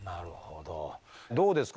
どうですか？